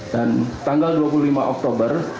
dan tanggal dua puluh lima oktober